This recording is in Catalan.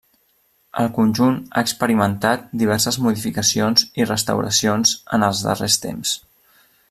El conjunt ha experimentat diverses modificacions i restauracions en els darrers temps.